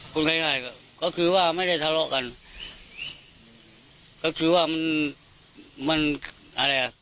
คนไข้ก็คือว่าไม่ได้ทะเลาะกันก็คือว่ามันอะไรอะ